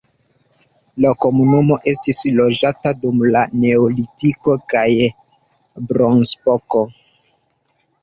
La komunumo estis loĝata dum la neolitiko kaj bronzepoko.